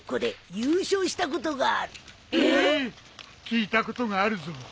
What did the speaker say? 聞いたことがあるぞ。